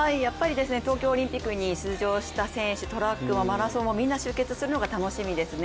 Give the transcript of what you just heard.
東京オリンピックに出場した選手トラックもマラソンもみんな集結するのが楽しみですね。